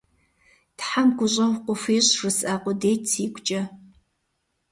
«Тхьэм гущӀэгъу къыхуищӀ» жысӀа къудейт сигукӀэ.